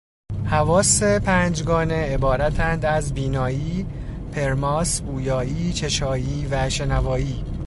حواس پنجگانه عبارتند از: بینایی، پرماس، بویایی، چشایی و شنوایی